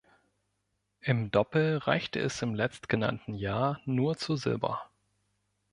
Im Doppel reichte es im letztgenannten Jahr nur zu Silber.